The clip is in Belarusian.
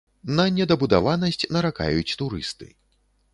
На недабудаванасць наракаюць турысты.